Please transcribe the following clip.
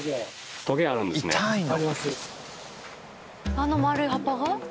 あの丸い葉っぱが？